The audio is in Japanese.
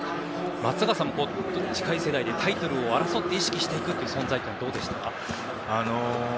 松坂さんも近い世代でタイトルを争って意識していくという存在はどうでしたか？